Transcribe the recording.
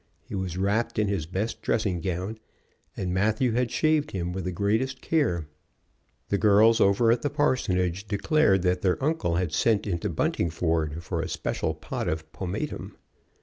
He was wrapped in his best dressing gown, and Matthew had shaved him with the greatest care. The girls over at the parsonage declared that their uncle had sent into Buntingford for a special pot of pomatum.